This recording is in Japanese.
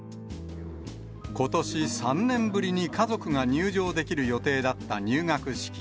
ことし、３年ぶりに家族が入場できる予定だった入学式。